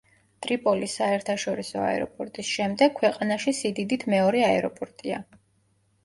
ტრიპოლის საერთაშორისო აეროპორტის შემდეგ ქვეყანაში სიდიდით მეორე აეროპორტია.